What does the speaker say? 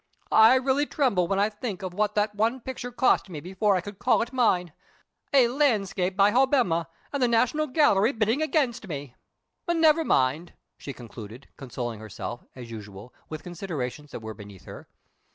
"I really tremble when I think of what that one picture cost me before I could call it mine. A landscape by Hobbema; and the National Gallery bidding against me. Never mind!" she concluded, consoling herself, as usual, with considerations that were beneath her.